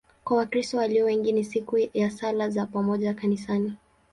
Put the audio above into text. Kwa Wakristo walio wengi ni siku ya sala za pamoja kanisani.